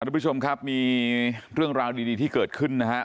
ทุกผู้ชมครับมีเรื่องราวดีที่เกิดขึ้นนะฮะ